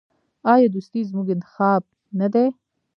آیا دوستي زموږ انتخاب نه دی؟